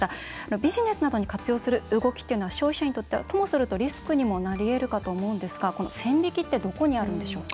ビジネスなどに活用する動きは消費者にとってはともするとリスクになりうると思うんですが線引きってどこにあるんでしょうか。